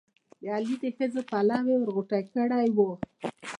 د علي د ښځې پلو یې ور غوټه کړی وو.